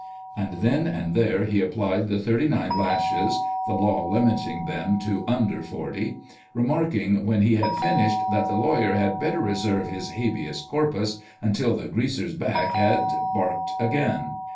And then and there he applied the thirty nine lashes (the law limiting them to tinder forty), remarking, when he had finished, that the lawyer had better reserve his " habeas corpus until the greaser's back got barked again